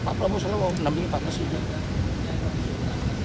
pak prabowo selalu mau menampilin pak pasu juga